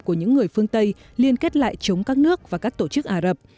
của những người phương tây liên kết lại chống các nước và các tổ chức ả rập